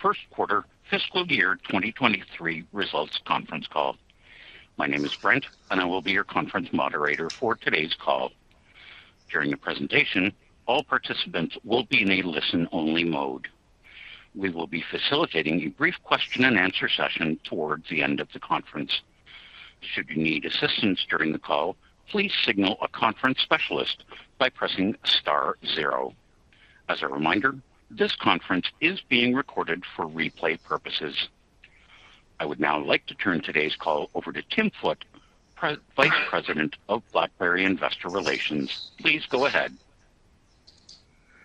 First quarter fiscal year 2023 results conference call. My name is Brent, and I will be your conference moderator for today's call. During the presentation, all participants will be in a listen-only mode. We will be facilitating a brief question and answer session towards the end of the conference. Should you need assistance during the call, please signal a conference specialist by pressing star zero. As a reminder, this conference is being recorded for replay purposes. I would now like to turn today's call over to Tim Foote, Vice President of BlackBerry Investor Relations. Please go ahead.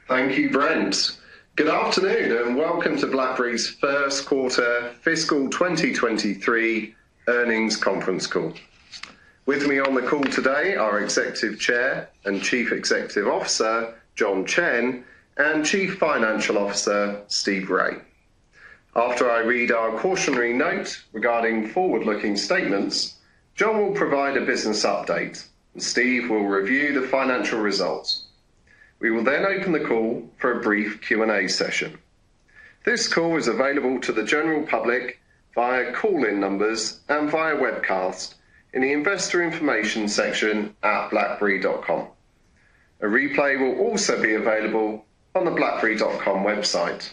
Thank you Brent. Good afternoon, and welcome to BlackBerry's first quarter fiscal 2023 earnings conference call. With me on the call today, our Executive Chair and Chief Executive Officer, John Chen, and Chief Financial Officer, Steve Rai. After I read our cautionary note regarding forward-looking statements, John will provide a business update, and Steve will review the financial results. We will then open the call for a brief Q&A session. This call is available to the general public via call-in numbers and via webcast in the investor information section at blackberry.com. A replay will also be available on the blackberry.com website.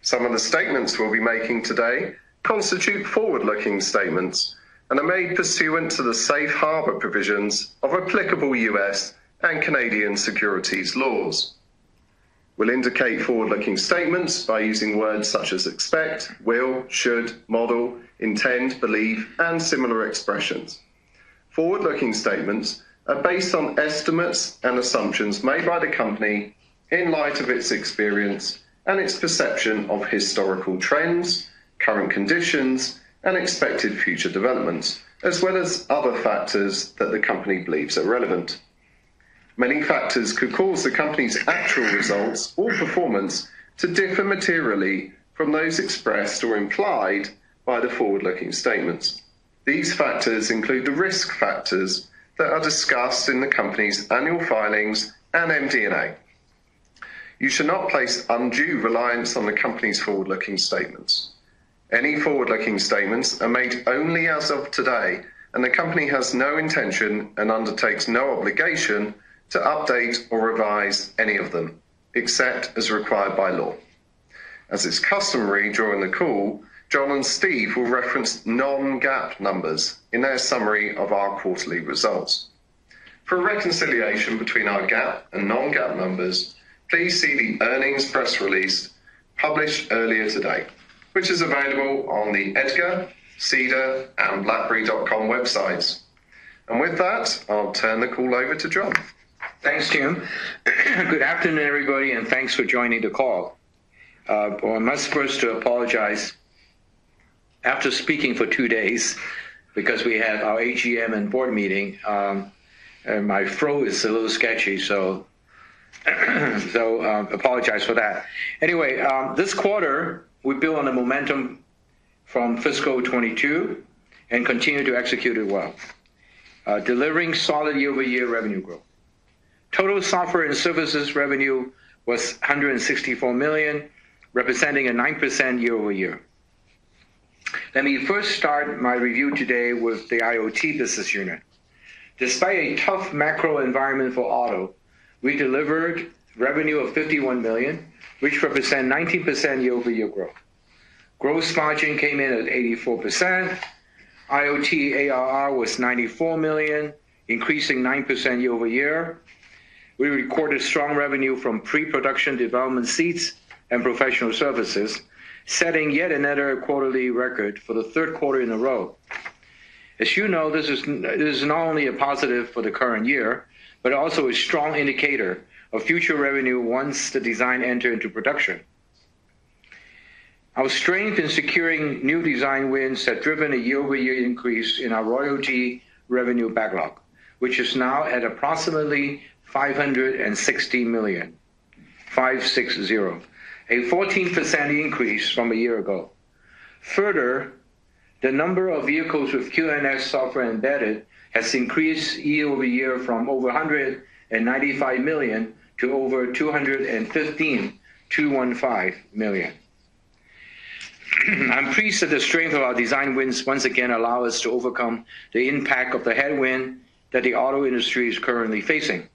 Some of the statements we'll be making today constitute forward-looking statements and are made pursuant to the safe harbor provisions of applicable U.S. and Canadian securities laws. We'll indicate forward-looking statements by using words such as expect, will, should, model, intend, believe, and similar expressions. Forward-looking statements are based on estimates and assumptions made by the company in light of its experience and its perception of historical trends, current conditions, and expected future developments, as well as other factors that the company believes are relevant. Many factors could cause the company's actual results or performance to differ materially from those expressed or implied by the forward-looking statements. These factors include the risk factors that are discussed in the company's annual filings and MD&A. You should not place undue reliance on the company's forward-looking statements. Any forward-looking statements are made only as of today, and the company has no intention and undertakes no obligation to update or revise any of them except as required by law. As is customary during the call, John and Steve will reference non-GAAP numbers in their summary of our quarterly results. For a reconciliation between our GAAP and non-GAAP numbers, please see the earnings press release published earlier today, which is available on the EDGAR, SEDAR, and BlackBerry.com websites. With that, I'll turn the call over to John. Thanks Tim. Good afternoon, everybody, and thanks for joining the call. I must first apologize after speaking for two days because we had our AGM and board meeting, and my throat is a little sketchy, so apologize for that. Anyway, this quarter, we built on the momentum from fiscal 2022 and continued to execute it well, delivering solid year-over-year revenue growth. Total software and services revenue was $164 million, representing a 9% year-over-year. Let me first start my review today with the IoT business unit. Despite a tough macro environment for auto, we delivered revenue of $51 million, which represent 19% year-over-year growth. Gross margin came in at 84%. IoT ARR was $94 million, increasing 9% year-over-year. We recorded strong revenue from pre-production development seats and professional services, setting yet another quarterly record for the third quarter in a row. As you know, this is not only a positive for the current year, but also a strong indicator of future revenue once the design enter into production. Our strength in securing new design wins have driven a year-over-year increase in our royalty revenue backlog, which is now at approximately $560 million. A 14% increase from a year ago. Further, the number of vehicles with QNX software embedded has increased year-over-year from over 195 million to over 215 million. I'm pleased that the strength of our design wins once again allow us to overcome the impact of the headwind that the auto industry is currently facing.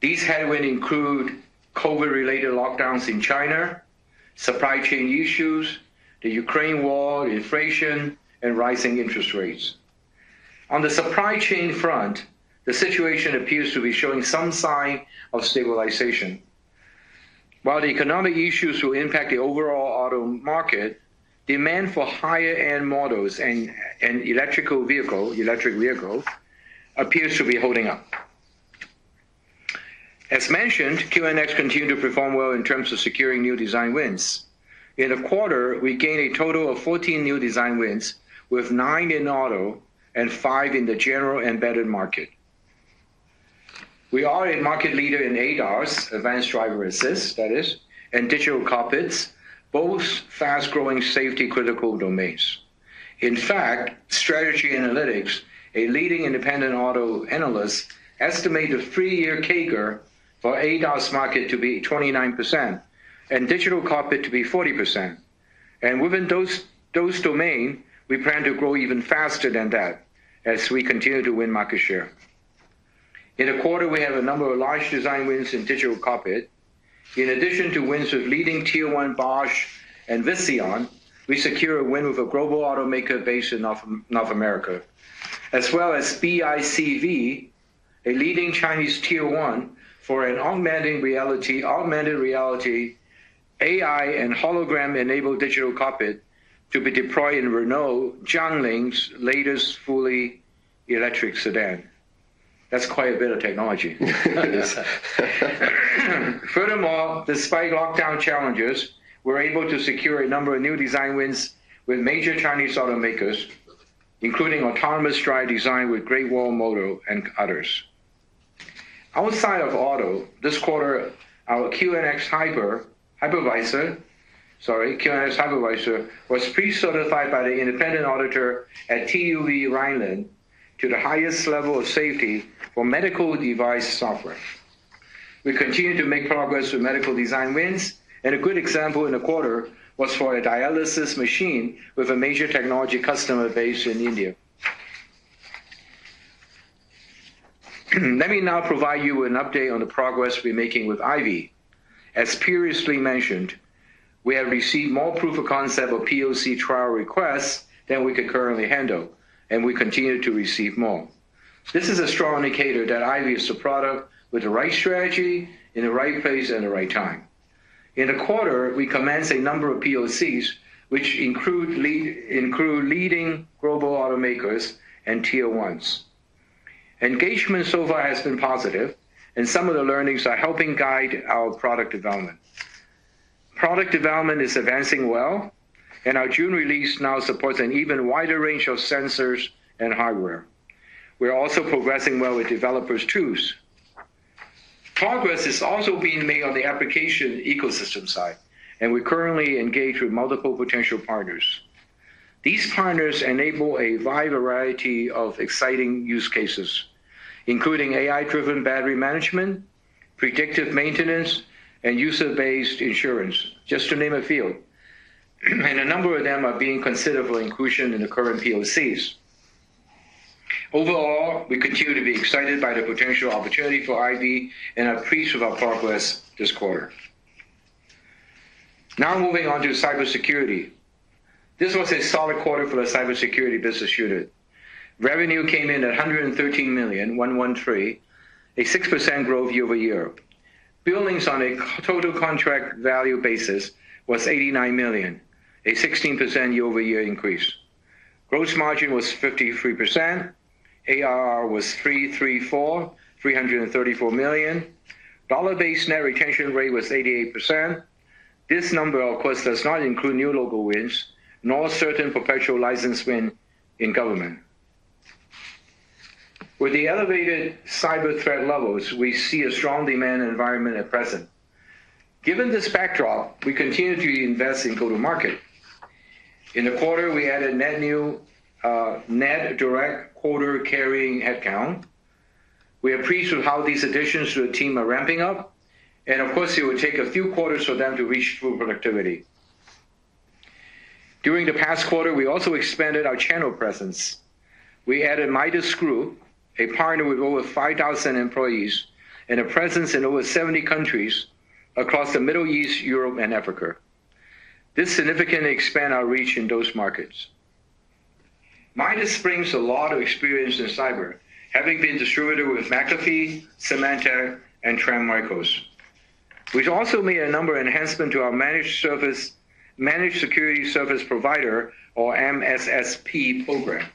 These headwinds include COVID-related lockdowns in China, supply chain issues, the Ukraine war, inflation, and rising interest rates. On the supply chain front, the situation appears to be showing some sign of stabilization. While the economic issues will impact the overall auto market, demand for higher-end models and electric vehicles appears to be holding up. As mentioned, QNX continued to perform well in terms of securing new design wins. In a quarter, we gained a total of 14 new design wins, with nine in auto and five in the general embedded market. We are a market leader in ADAS, advanced driver assistance, that is, and digital cockpits, both fast-growing safety-critical domains. In fact, Strategy Analytics, a leading independent auto analyst, estimate a three-year CAGR for ADAS market to be 29% and digital cockpit to be 40%. Within those domain, we plan to grow even faster than that as we continue to win market share. In the quarter, we have a number of large design wins in digital cockpit. In addition to wins with leading Tier 1 Bosch and Visteon, we secure a win with a global automaker based in North America, as well as BICV, a leading Chinese Tier 1 for an augmented reality AI and hologram-enabled digital cockpit to be deployed in Renault-Jiangling's latest fully electric sedan. That's quite a bit of technology. It is. Furthermore, despite lockdown challenges, we're able to secure a number of new design wins with major Chinese automakers, including autonomous drive design with Great Wall Motor and others. Outside of auto, this quarter, our QNX Hypervisor was pre-certified by the independent auditor at TÜV Rheinland to the highest level of safety for medical device software. We continue to make progress with medical design wins, and a good example in the quarter was for a dialysis machine with a major technology customer based in India. Let me now provide you an update on the progress we're making with IVY. As previously mentioned, we have received more proof of concept or POC trial requests than we could currently handle, and we continue to receive more. This is a strong indicator that IVY is a product with the right strategy in the right place at the right time. In the quarter, we commenced a number of POCs, which include leading global automakers and Tier 1s. Engagement so far has been positive, and some of the learnings are helping guide our product development. Product development is advancing well, and our June release now supports an even wider range of sensors and hardware. We're also progressing well with developer tools. Progress is also being made on the application ecosystem side, and we currently engage with multiple potential partners. These partners enable a wide variety of exciting use cases, including AI-driven battery management, predictive maintenance, and usage-based insurance, just to name a few. A number of them are being considered for inclusion in the current POCs. Overall, we continue to be excited by the potential opportunity for IVY and are pleased with our progress this quarter. Now moving on to cybersecurity. This was a solid quarter for the cybersecurity business unit. Revenue came in at $113 million, 6% year-over-year growth. Billings on a total contract value basis was $89 million, a 16% year-over-year increase. Gross margin was 53%. ARR was $334 million. Dollar-based net retention rate was 88%. This number, of course, does not include new logo wins, nor certain perpetual license win in government. With the elevated cyber threat levels, we see a strong demand environment at present. Given this backdrop, we continue to invest in go-to-market. In the quarter, we added net new, net direct quarter carrying headcount. We are pleased with how these additions to the team are ramping up, and of course, it would take a few quarters for them to reach full productivity. During the past quarter, we also expanded our channel presence. We added Midis Group, a partner with over 5,000 employees and a presence in over 70 countries across the Middle East, Europe, and Africa. This significantly expands our reach in those markets. Midis brings a lot of experience in cyber, having been a distributor with McAfee, Symantec, and Trend Micro. We've also made a number of enhancements to our managed service, managed security service provider or MSSP program.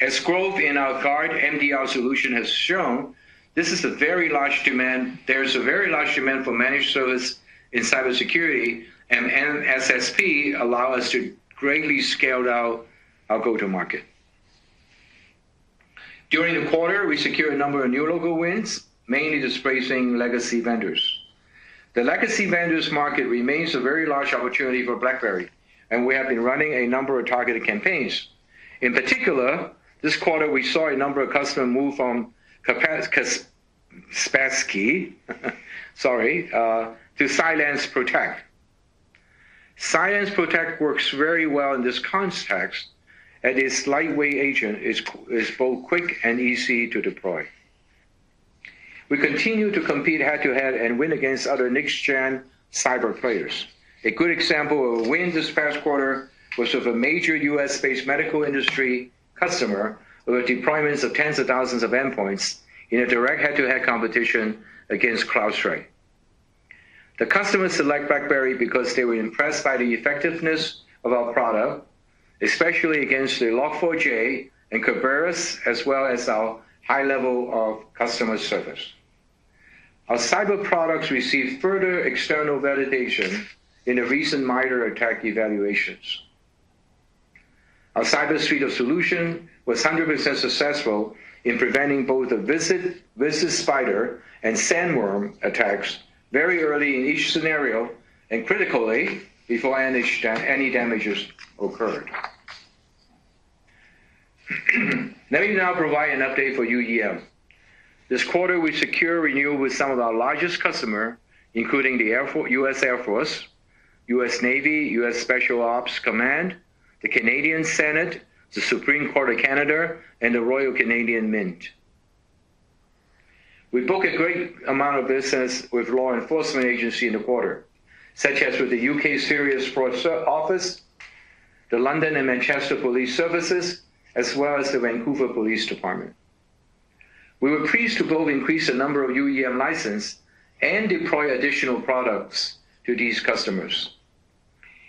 As growth in our Guard MDR solution has shown, this is a very large demand. There's a very large demand for managed service in cybersecurity, and MSSP allows us to greatly scale out our go-to-market. During the quarter, we secured a number of new logo wins, mainly displacing legacy vendors. The legacy vendors market remains a very large opportunity for BlackBerry, and we have been running a number of targeted campaigns. In particular, this quarter we saw a number of customers move from Kaspersky, sorry, to CylancePROTECT. CylancePROTECT works very well in this context, and its lightweight agent is both quick and easy to deploy. We continue to compete head-to-head and win against other next-gen cyber players. A good example of a win this past quarter was with a major U.S.-based medical industry customer with deployments of tens of thousands of endpoints in a direct head-to-head competition against CrowdStrike. The customers select BlackBerry because they were impressed by the effectiveness of our product, especially against the Log4j and Kerberos, as well as our high level of customer service. Our cyber products received further external validation in the recent MITRE ATT&CK evaluations. Our Cyber Suite of solutions was 100% successful in preventing both the Wizard Spider and Sandworm attacks very early in each scenario, and critically, before any damages occurred. Let me now provide an update for UEM. This quarter, we secured renewals with some of our largest customers, including the U.S. Air Force, U.S. Navy, U.S. Special Operations Command, the Senate of Canada, the Supreme Court of Canada, and the Royal Canadian Mint. We booked a great amount of business with law enforcement agencies in the quarter, such as with the Serious Fraud Office, the London and Manchester Police Services, as well as the Vancouver Police Department. We were pleased to both increase the number of UEM licenses and deploy additional products to these customers.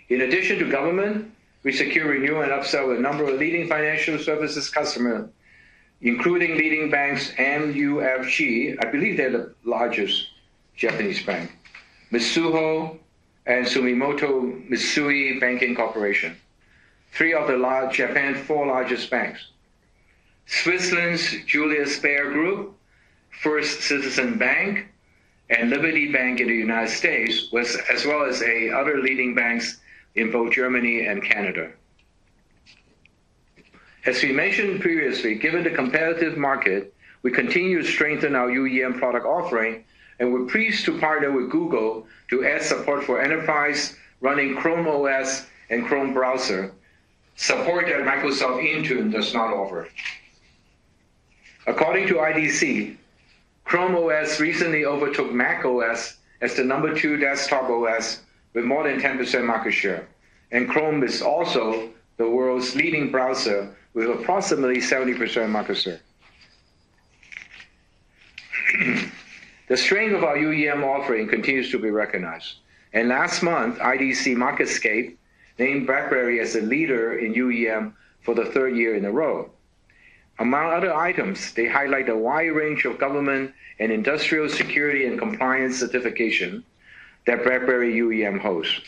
In addition to government, we secure renewal and upsell with a number of leading financial services customers, including leading banks, MUFG, I believe they're the largest Japanese bank, Mizuho and Sumitomo Mitsui Banking Corporation, three of Japan's four largest banks. Switzerland's Julius Bär Group, First Citizens Bank, and Liberty Bank in the United States, as well as other leading banks in both Germany and Canada. As we mentioned previously, given the competitive market, we continue to strengthen our UEM product offering, and we're pleased to partner with Google to add support for enterprises running ChromeOS and Chrome browser, support that Microsoft Intune does not offer. According to IDC, ChromeOS recently overtook macOS as the number two desktop OS with more than 10% market share, and Chrome is also the world's leading browser with approximately 70% market share. The strength of our UEM offering continues to be recognized. Last month, IDC MarketScape named BlackBerry as a leader in UEM for the third year in a row. Among other items, they highlight a wide range of government and industrial security and compliance certification that BlackBerry UEM hosts.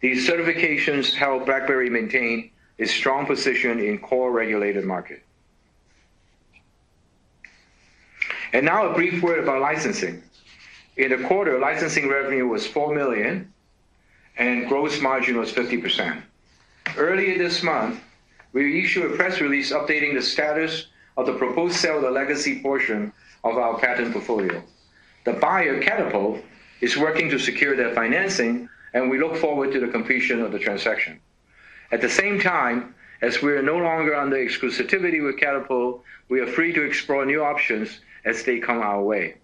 These certifications help BlackBerry maintain its strong position in core regulated market. Now a brief word about licensing. In the quarter, licensing revenue was $4 million, and gross margin was 50%. Earlier this month, we issued a press release updating the status of the proposed sale of the legacy portion of our patent portfolio. The buyer, Catapult, is working to secure their financing, and we look forward to the completion of the transaction. At the same time, as we are no longer under exclusivity with Catapult, we are free to explore new options as they come our way.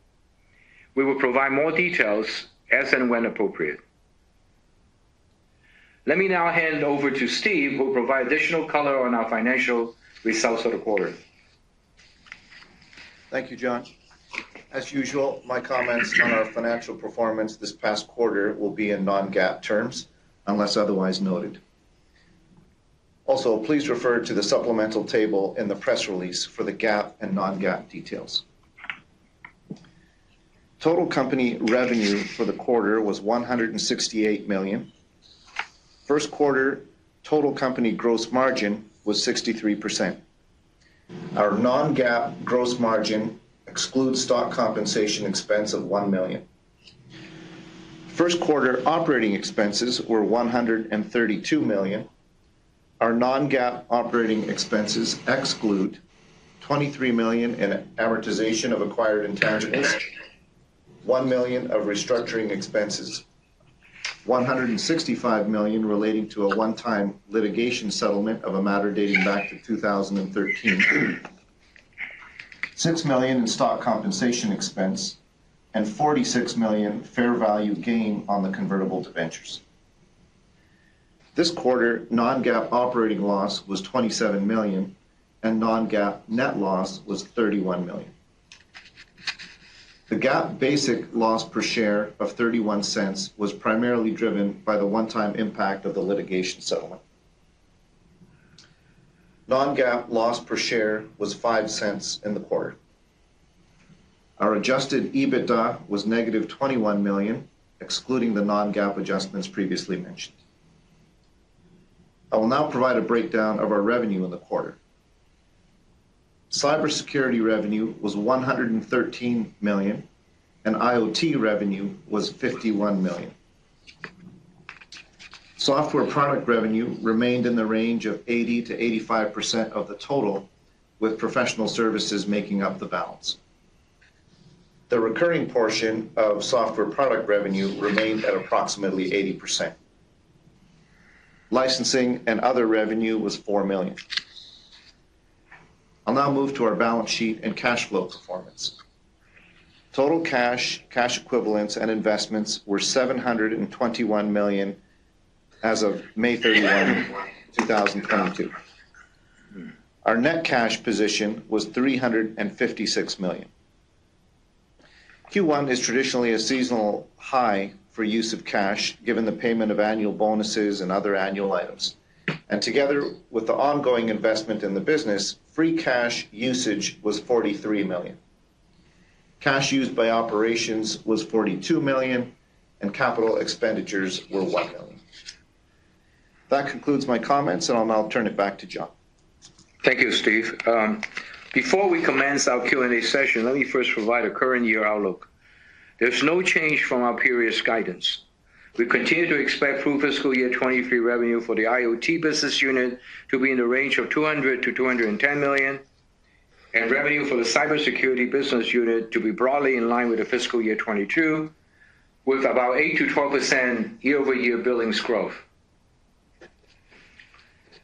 We will provide more details as and when appropriate. Let me now hand over to Steve Rai, who will provide additional color on our financial results for the quarter. Thank you, John. As usual, my comments on our financial performance this past quarter will be in non-GAAP terms, unless otherwise noted. Also, please refer to the supplemental table in the press release for the GAAP and non-GAAP details. Total company revenue for the quarter was $168 million. First quarter total company gross margin was 63%. Our non-GAAP gross margin excludes stock compensation expense of $1 million. First quarter operating expenses were $132 million. Our non-GAAP operating expenses exclude $23 million in amortization of acquired intangibles, $1 million of restructuring expenses, $165 million relating to a one-time litigation settlement of a matter dating back to 2013, $6 million in stock compensation expense and $46 million fair value gain on the convertible debentures. This quarter, non-GAAP operating loss was $27 million, and non-GAAP net loss was $31 million. The GAAP basic loss per share of $0.31 was primarily driven by the one-time impact of the litigation settlement. non-GAAP loss per share was $0.05 in the quarter. Our adjusted EBITDA was negative $21 million, excluding the non-GAAP adjustments previously mentioned. I will now provide a breakdown of our revenue in the quarter. Cybersecurity revenue was $113 million, and IoT revenue was $51 million. Software product revenue remained in the range of 80%-85% of the total, with professional services making up the balance. The recurring portion of software product revenue remained at approximately 80%. Licensing and other revenue was $4 million. I'll now move to our balance sheet and cash flow performance. Total cash equivalents and investments were $721 million as of May 31, 2022. Our net cash position was $356 million. Q1 is traditionally a seasonal high for use of cash, given the payment of annual bonuses and other annual items. Together with the ongoing investment in the business, free cash usage was $43 million. Cash used by operations was $42 million, and capital expenditures were $1 million. That concludes my comments, and I'll now turn it back to John. Thank you, Steve. Before we commence our Q&A session, let me first provide a current year outlook. There's no change from our previous guidance. We continue to expect full fiscal year 2023 revenue for the IoT business unit to be in the range of $200 million-$210 million, and revenue for the cybersecurity business unit to be broadly in line with the fiscal year 2022, with about 8%-12% year-over-year billings growth.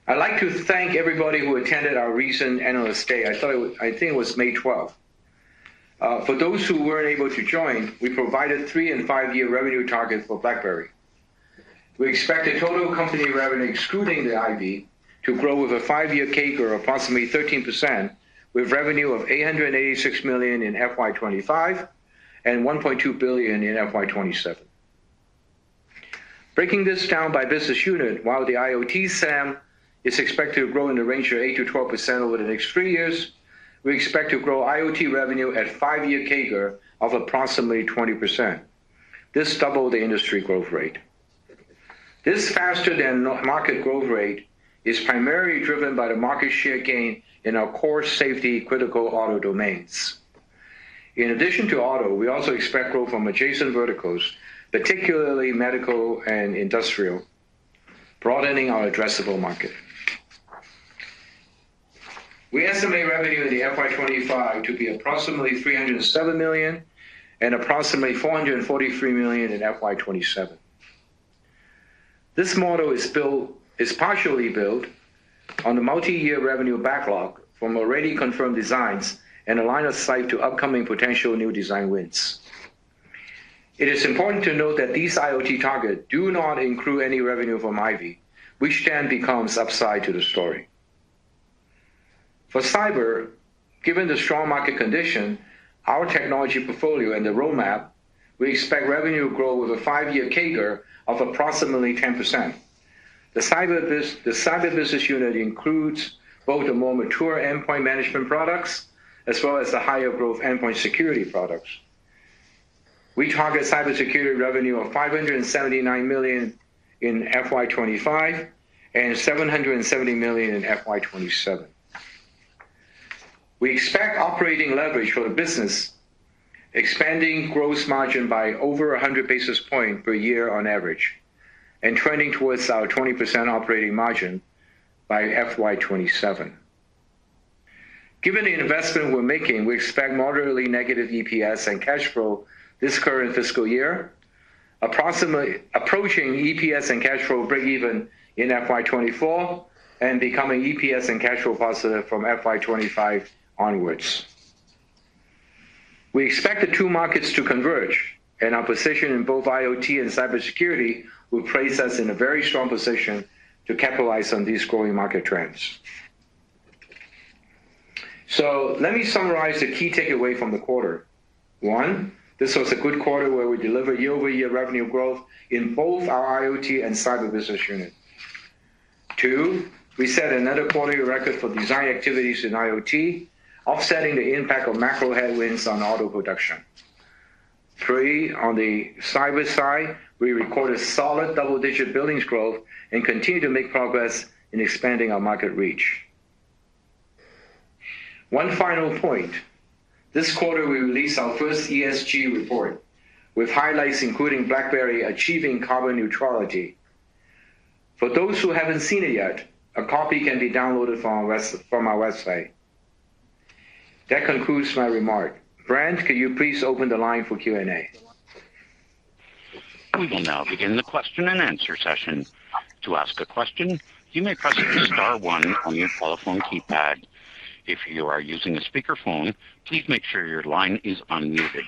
I'd like to thank everybody who attended our recent analyst day. I think it was May twelfth. For those who weren't able to join, we provided three- and five-year revenue targets for BlackBerry. We expect the total company revenue, excluding the IVY, to grow with a five-year CAGR of approximately 13%, with revenue of $886 million in FY 2025 and $1.2 billion in FY 2027. Breaking this down by business unit, while the IoT SAM is expected to grow in the range of 8%-12% over the next three years, we expect to grow IoT revenue at five-year CAGR of approximately 20%. This doubles the industry growth rate. This faster-than-market growth rate is primarily driven by the market share gain in our core safety critical auto domains. In addition to auto, we also expect growth from adjacent verticals, particularly medical and industrial, broadening our addressable market. We estimate revenue in the FY 2025 to be approximately $307 million and approximately $443 million in FY 2027. This model is partially built on the multiyear revenue backlog from already confirmed designs and a line of sight to upcoming potential new design wins. It is important to note that these IoT targets do not include any revenue from IVY, which then becomes upside to the story. For cyber, given the strong market condition, our technology portfolio and the roadmap, we expect revenue to grow with a five-year CAGR of approximately 10%. The cyber business unit includes both the more mature endpoint management products as well as the higher growth endpoint security products. We target cybersecurity revenue of $579 million in FY 2025 and $770 million in FY 2027. We expect operating leverage for the business expanding gross margin by over 100 basis points per year on average and trending towards our 20% operating margin by FY 2027. Given the investment we're making, we expect moderately negative EPS and cash flow this current fiscal year, approximately approaching EPS and cash flow breakeven in FY 2024 and becoming EPS and cash flow positive from FY 2025 onwards. We expect the two markets to converge, and our position in both IoT and cybersecurity will place us in a very strong position to capitalize on these growing market trends. Let me summarize the key takeaway from the quarter. One, this was a good quarter where we delivered year-over-year revenue growth in both our IoT and cyber business unit. Two, we set another quality record for design activities in IoT, offsetting the impact of macro headwinds on auto production. Three, on the cyber side, we recorded solid double-digit billings growth and continue to make progress in expanding our market reach. One final point. This quarter, we released our first ESG report with highlights including BlackBerry achieving carbon neutrality. For those who haven't seen it yet, a copy can be downloaded from our website. That concludes my remark. Brent, could you please open the line for Q&A? We will now begin the question and answer session. To ask a question, you may press star one on your telephone keypad. If you are using a speakerphone, please make sure your line is unmuted.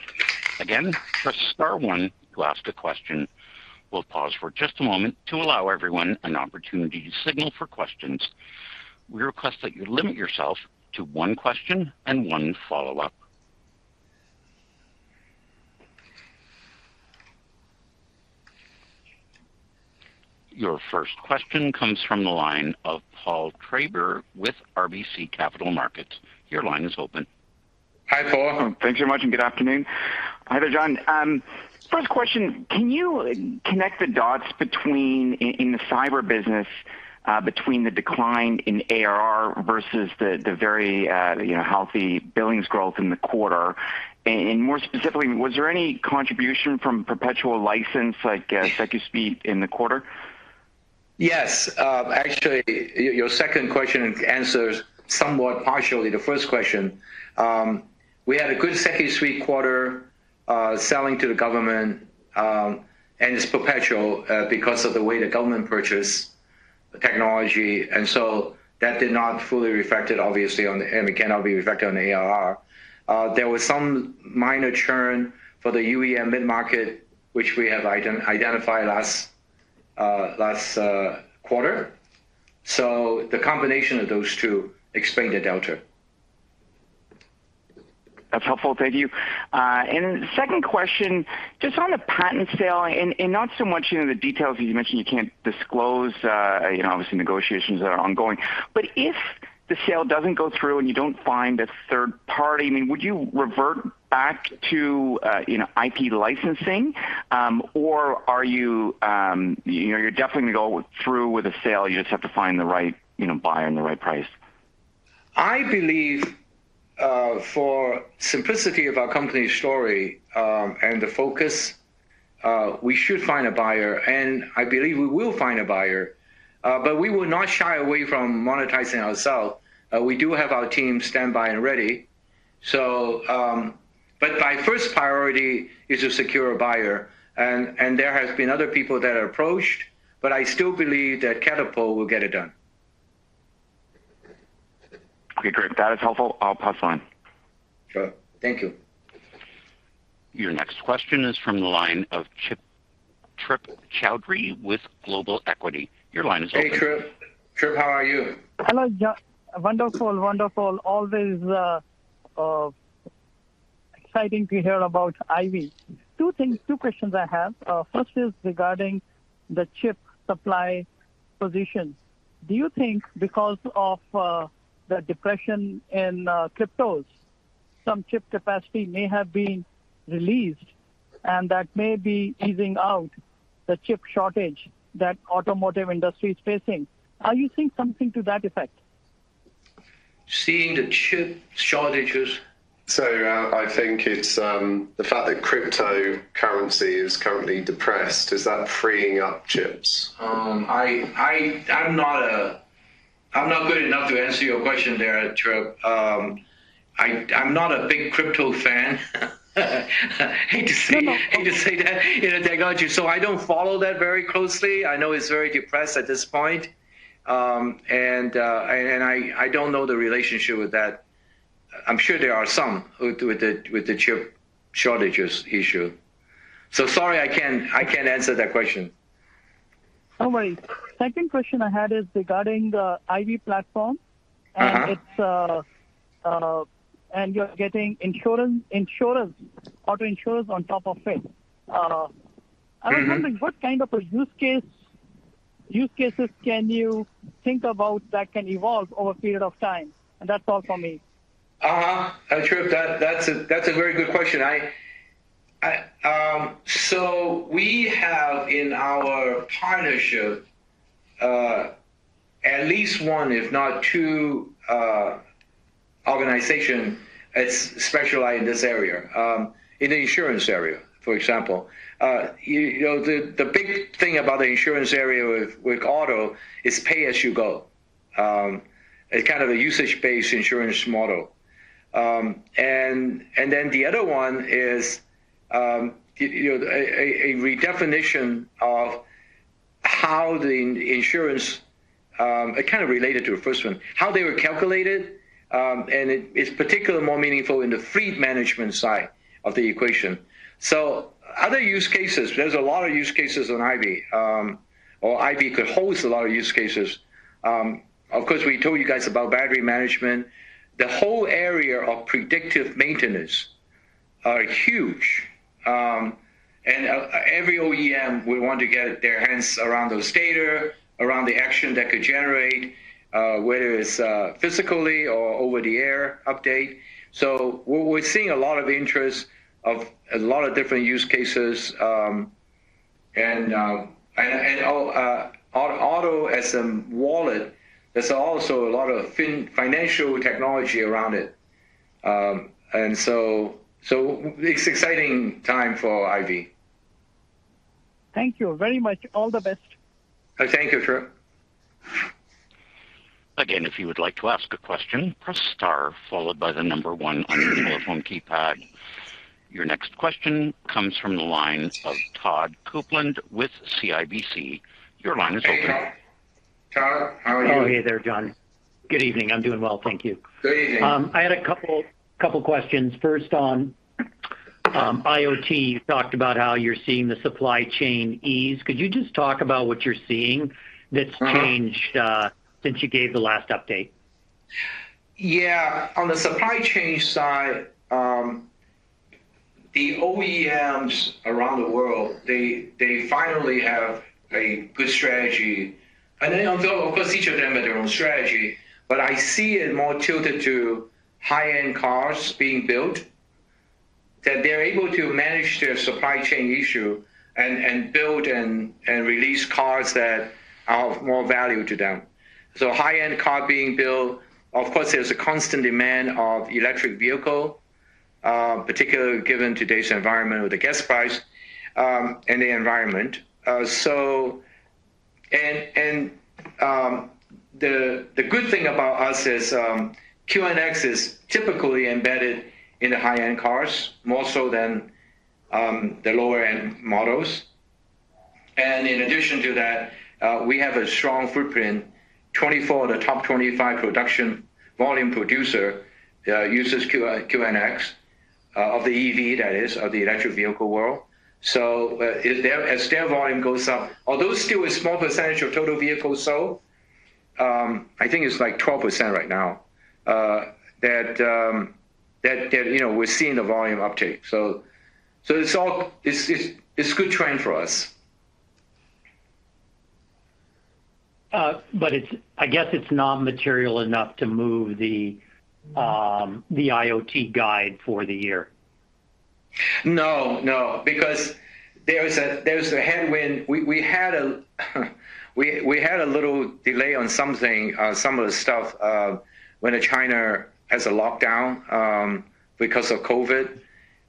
Again, press star one to ask a question. We'll pause for just a moment to allow everyone an opportunity to signal for questions. We request that you limit yourself to one question and one follow-up. Your first question comes from the line of Paul Treiber with RBC Capital Markets. Your line is open. Hi, Paul. Thanks very much and good afternoon. Hi there, John. First question, can you connect the dots between, in the cyber business, between the decline in ARR versus the very, you know, healthy billings growth in the quarter? More specifically, was there any contribution from perpetual license like SecuSUITE in the quarter? Yes. Actually, your second question answers somewhat partially the first question. We had a good SecuSUITE quarter, selling to the government, and it's perpetual, because of the way the government purchase the technology. That did not fully reflect it obviously, and it cannot be reflected on the ARR. There was some minor churn for the UEM mid-market, which we have identified last quarter. The combination of those two explain the delta. That's helpful. Thank you. Second question, just on the patent sale and not so much, you know, the details, as you mentioned you can't disclose, you know, obviously negotiations that are ongoing. If the sale doesn't go through and you don't find a third party, I mean, would you revert back to, you know, IP licensing, or are you know, you're definitely gonna go through with a sale, you just have to find the right, you know, buyer and the right price? I believe, for simplicity of our company's story, and the focus, we should find a buyer, and I believe we will find a buyer. But we will not shy away from monetizing ourselves. We do have our team standby and ready. But my first priority is to secure a buyer. There has been other people that are approached, but I still believe that Catapult will get it done. Okay, great. That is helpful. I'll pass on. Sure. Thank you. Your next question is from the line of Trip Chowdhry with Global Equities. Your line is open. Hey, Trip, how are you? Hello, John. Wonderful, wonderful. Always exciting to hear about Ivy. Two things, two questions I have. First is regarding the chip supply positions. Do you think because of the depression in cryptos, some chip capacity may have been released and that may be easing out the chip shortage that automotive industry is facing? Are you seeing something to that effect? Seeing the chip shortages. I think it's the fact that cryptocurrency is currently depressed, is that freeing up chips? I'm not good enough to answer your question there, Trip. I'm not a big crypto fan. Hate to say. Me neither. Hate to say that in a technology. I don't follow that very closely. I know it's very depressed at this point. I don't know the relationship with that. I'm sure there are some who do with the chip shortages issue. Sorry, I can't answer that question. No worries. Second question I had is regarding the IVY platform. Uh-huh. You're getting insurance, auto insurance on top of it. Mm-hmm. I was wondering what kind of a use case, use cases can you think about that can evolve over a period of time? That's all from me. Trip, that's a very good question. We have in our partnership at least one, if not two, organization that specialize in this area, in the insurance area, for example. You know, the big thing about the insurance area with auto is pay-as-you-go. A kind of usage-based insurance model. The other one is, you know, a redefinition of how the insurance, it kind of related to the first one, how they were calculated, and it's particularly more meaningful in the fleet management side of the equation. Other use cases, there's a lot of use cases on IVY, or IVY could host a lot of use cases. Of course, we told you guys about battery management. The whole area of predictive maintenance are huge. Every OEM will want to get their hands around those data, around the action that could generate, whether it's physically or over-the-air update. We're seeing a lot of interest of a lot of different use cases, and auto as a wallet, there's also a lot of financial technology around it. It's exciting time for Ivy. Thank you very much. All the best. Thank you, Trip. Again, if you would like to ask a question, press star followed by the number one on your telephone keypad. Your next question comes from the line of Todd Coupland with CIBC. Your line is open. Hey, Todd. Todd, how are you? Oh, hey there, John. Good evening. I'm doing well. Thank you. Good evening. I had a couple questions. First on IoT, you talked about how you're seeing the supply chain ease. Could you just talk about what you're seeing that's changed, since you gave the last update? Yeah. On the supply chain side, the OEMs around the world, they finally have a good strategy. Although, of course, each of them have their own strategy, but I see it more tilted to high-end cars being built, that they're able to manage their supply chain issue and build and release cars that are of more value to them. High-end cars being built, of course, there's a constant demand for electric vehicles, particularly given today's environment with the gas prices and the environment. The good thing about us is, QNX is typically embedded in the high-end cars more so than the lower-end models. In addition to that, we have a strong footprint. 24 of the top 25 production volume producer uses QNX of the EV, that is, of the electric vehicle world. As their volume goes up, although still a small percentage of total vehicles sold, I think it's like 12% right now, that you know, we're seeing the volume uptake. It's a good trend for us. I guess it's not material enough to move the IoT guide for the year. No, because there's a headwind. We had a little delay on something, some of the stuff, when China has a lockdown, because of COVID.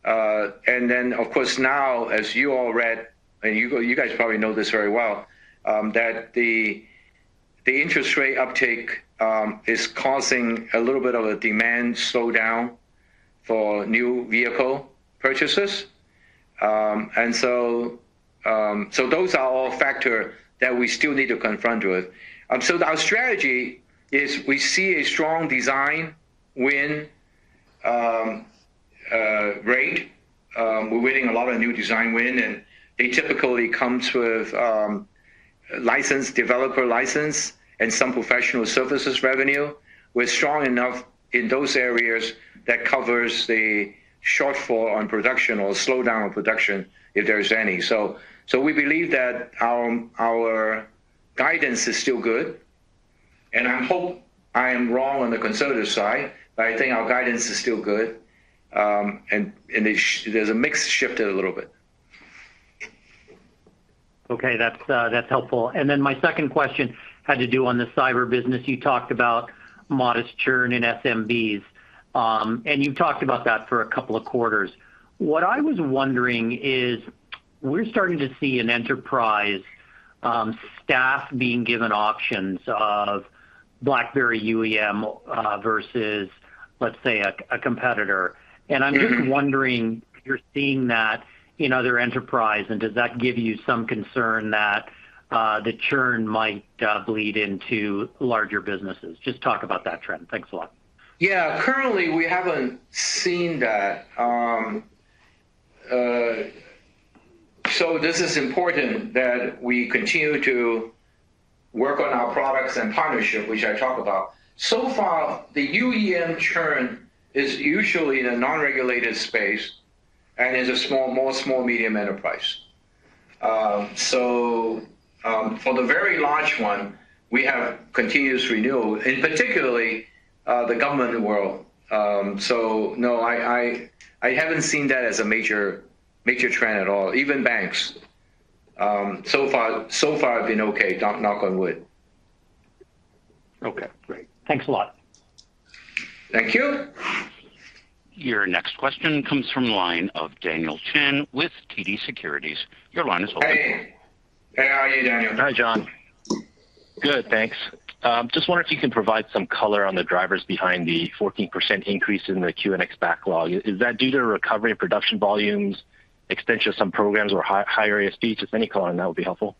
Of course, now, as you all read, and you guys probably know this very well, that the interest rate uptick is causing a little bit of a demand slowdown for new vehicle purchases. Those are all factors that we still need to confront with. Our strategy is we see a strong design win rate. We're winning a lot of new design win, and they typically comes with licensing, developer licenses and some professional services revenue. We're strong enough in those areas that covers the shortfall on production or slowdown on production, if there is any. We believe that our guidance is still good. I hope I am wrong on the conservative side, but I think our guidance is still good. There's a mix shifted a little bit. Okay. That's helpful. Then my second question had to do on the cyber business. You talked about modest churn in SMBs. You've talked about that for a couple of quarters. What I was wondering is, we're starting to see an enterprise staff being given options of BlackBerry UEM versus, let's say a competitor. I'm just wondering if you're seeing that in other enterprise, and does that give you some concern that the churn might bleed into larger businesses? Just talk about that trend. Thanks a lot. Yeah. Currently, we haven't seen that. This is important that we continue to work on our products and partnership, which I talk about. So far, the UEM churn is usually in a non-regulated space and is a small, more small medium enterprise. For the very large one, we have continuous renewal, in particularly, the government world. No, I haven't seen that as a major trend at all, even banks. So far been okay. Knock on wood. Okay. Great. Thanks a lot. Thank you. Your next question comes from the line of Daniel Chan with TD Securities. Your line is open. Hey. Hey, how are you, Daniel? Hi, John. Good, thanks. Just wonder if you can provide some color on the drivers behind the 14% increase in the QNX backlog. Is that due to recovery of production volumes, extension of some programs or higher ASPs? Just any color on that would be helpful.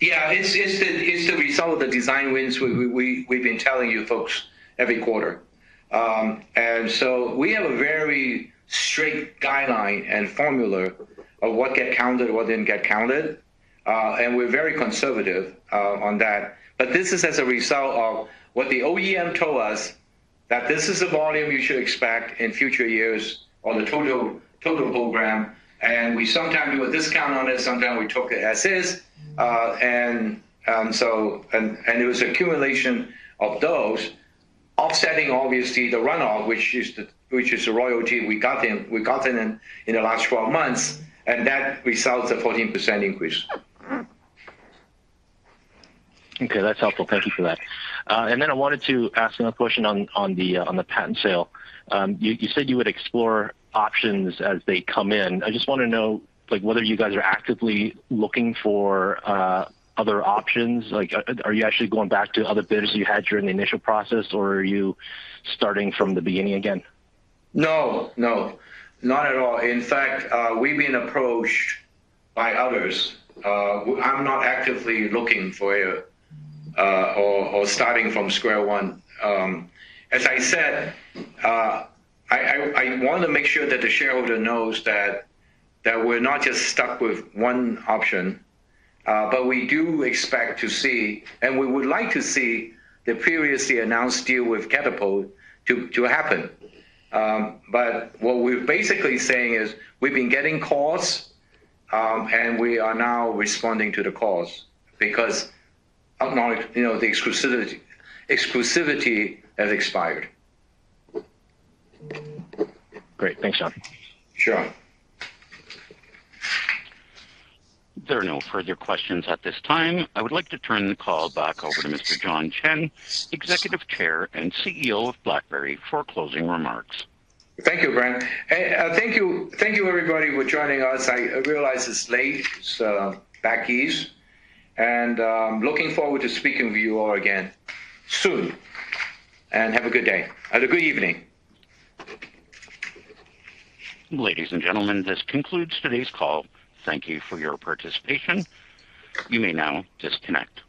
Yeah. It's the result of the design wins we've been telling you folks every quarter. We have a very strict guideline and formula of what gets counted, what didn't get counted, and we're very conservative on that. This is as a result of what the OEM told us that this is the volume you should expect in future years on the total program. We sometimes do a discount on it, sometimes we took it as is. It was accumulation of those offsetting obviously the runoff, which is the royalty we got in the last 12 months, and that results in a 14% increase. Okay. That's helpful. Thank you for that. I wanted to ask another question on the patent sale. You said you would explore options as they come in. I just wanna know, like, whether you guys are actively looking for other options. Like, are you actually going back to other bidders you had during the initial process, or are you starting from the beginning again? No, no. Not at all. In fact, we've been approached by others. I'm not actively looking or starting from square one. As I said, I wanna make sure that the shareholder knows that we're not just stuck with one option, but we do expect to see, and we would like to see the previously announced deal with Catapult to happen. What we're basically saying is we've been getting calls, and we are now responding to the calls because now you know the exclusivity has expired. Great. Thanks John. Sure. There are no further questions at this time. I would like to turn the call back over to Mr. John Chen, Executive Chair and CEO of BlackBerry for closing remarks. Thank you, Brent. Hey, thank you, everybody, for joining us. I realize it's late, so back east, and looking forward to speaking with you all again soon. Have a good day. Have a good evening. Ladies and gentlemen, this concludes today's call. Thank you for your participation. You may now disconnect.